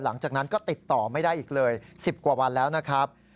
หลังจากนั้นก็ติดต่อไม่ได้อีกเลย๑๐กว่าวันแล้วนะครับ